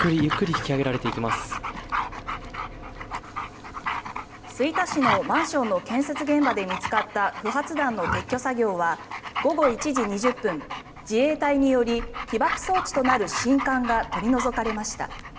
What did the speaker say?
吹田市のマンションの建設現場で見つかった不発弾の撤去作業は午後１時２０分自衛隊により起爆装置となる信管が取り除かれました。